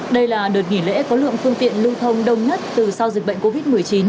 đây là đợt nghỉ lễ có lượng phương tiện lưu thông đông nhất từ sau dịch bệnh covid một mươi chín